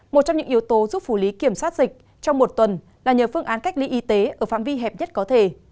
một trong những yếu tố giúp phủ lý kiểm soát dịch trong một tuần là nhờ phương án cách ly y tế ở phạm vi hẹp nhất có thể